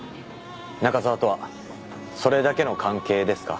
中沢とはそれだけの関係ですか？